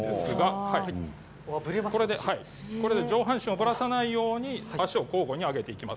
上半身をぶらさないように足を交互に上げていきます。